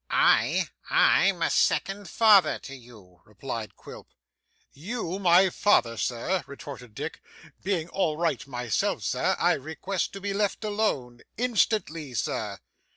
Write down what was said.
'I! I'm a second father to you,' replied Quilp. 'You my father, Sir!' retorted Dick. 'Being all right myself, Sir, I request to be left alone instantly, Sir.